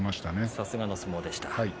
さすがの相撲でした。